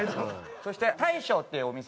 そして大将っていうお店がね。